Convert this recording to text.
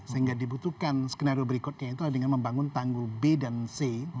sehingga dibutuhkan skenario berikutnya itu dengan membangun tanggul b dan c